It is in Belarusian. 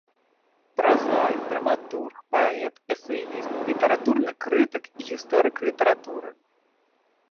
Празаік, драматург, паэт, эсэіст, літаратурны крытык і гісторык літаратуры.